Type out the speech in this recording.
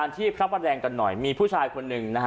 ที่พระประแดงกันหน่อยมีผู้ชายคนหนึ่งนะฮะ